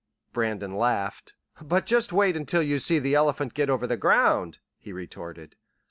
Brandon laughed. "But just wait until you see the elephant get over the ground," he retorted.